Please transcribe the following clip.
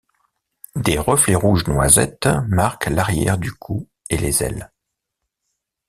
Des reflets rouge noisette marquent l'arrière du cou et les ailes.